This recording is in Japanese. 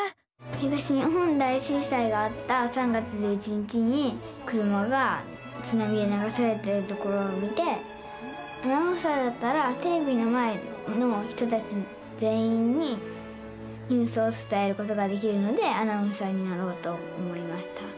東日本大震災があった３月１１日に車がつなみでながされてるところを見てアナウンサーだったらテレビの前の人たち全員にニュースをつたえることができるのでアナウンサーになろうと思いました。